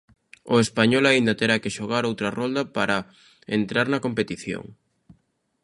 O Español aínda terá que xogar outra rolda para entrar na competición.